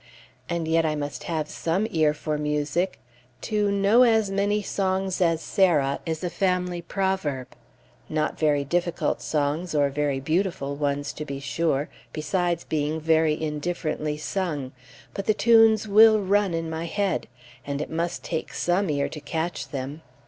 And yet I must have some ear for music. To "know as many songs as Sarah" is a family proverb; not very difficult songs, or very beautiful ones, to be sure, besides being very indifferently sung; but the tunes will run in my head, and it must take some ear to catch them.